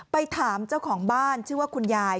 ไปถามเจ้าของบ้านชื่อว่าคุณยาย